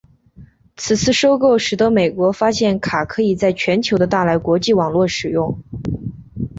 此次收购使得美国发现卡可以在全球的大来国际网络使用。